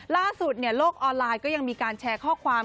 ล่าสุดโลกออนไลน์ก็ยังมีการแชร์ข้อความ